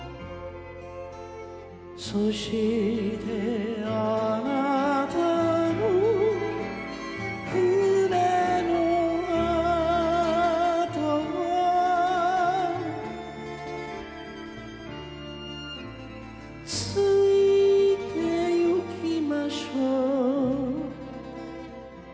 「そしてあなたの舟のあとをついてゆきましょう」